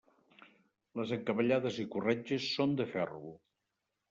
Les encavallades i corretges són de ferro.